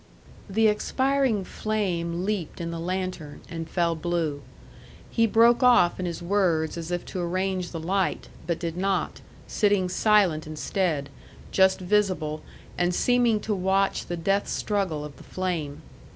The expiring flame leaped in the lantern, and fell blue. He broke off in his words as if to arrange the light, but did not, sitting silent instead, just visible, and seeming to watch the death struggle of the flame.